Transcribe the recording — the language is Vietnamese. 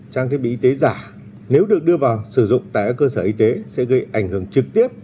trang thiết bị y tế giả nếu được đưa vào sử dụng tại các cơ sở y tế sẽ gây ảnh hưởng trực tiếp